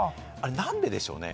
何ででしょうね？